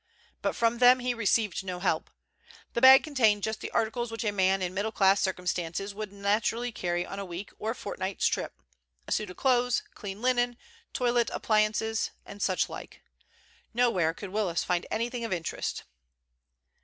But from them he received no help. The bag contained just the articles which a man in middle class circumstances would naturally carry on a week or a fortnight's trip—a suit of clothes, clean linen, toilet appliances, and such like. Nowhere could Willis find anything of interest.